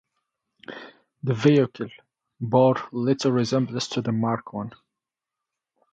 The vehicle bore little resemblance to the Mark One.